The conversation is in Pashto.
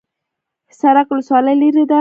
حصارک ولسوالۍ لیرې ده؟